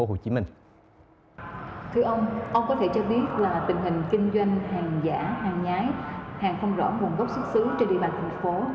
thưa ông ông có thể cho biết là tình hình kinh doanh hàng giả hàng nhái hàng không rõ nguồn gốc xuất xứ trên địa bàn thành phố